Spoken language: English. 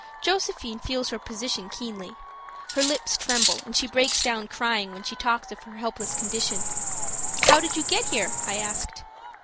Josephine feels her position keenly. Her lips tremble, and she breaks down crying when she talks of her helpless condition. "How did you get here?" I asked.